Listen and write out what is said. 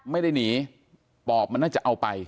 ไม่ได้หนีปอบมันน่าจะเอาไป